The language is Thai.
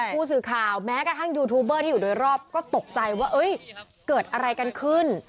ผู้สื่อข่าวแม้กระทั่งยูทูบเบอร์ที่อยู่โดยรอบก็ตกใจว่าเกิดอะไรกันขึ้น